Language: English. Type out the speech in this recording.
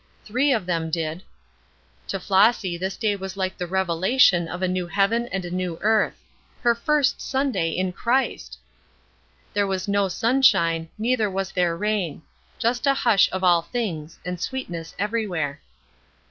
Three of them did. To Flossy this day was like the revelation of a new heaven and a new earth. Her first Sunday in Christ! There was no sunshine, neither was there rain. Just a hush of all things, and sweetness everywhere.